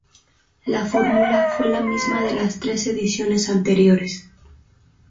La fórmula fue la misma de las tres ediciones anteriores.